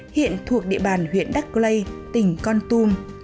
hiện thuộc địa bàn huyện đắc lây tỉnh con tum